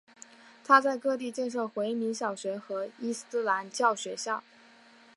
他在各地建设回民小学和伊斯兰教学校。